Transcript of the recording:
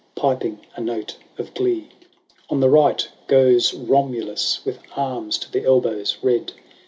Piping a note of glee. VII. On the right goes Romulus, With arms to the elbows red.